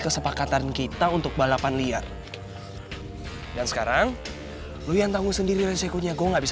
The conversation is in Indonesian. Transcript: kesepakatan kita untuk balapan liar dan sekarang lu yang tanggung sendiri resikonya gua nggak bisa